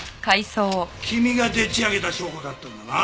君がでっち上げた証拠だったんだな。